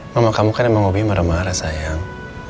mama kamu kan emang hobi marah marah sayang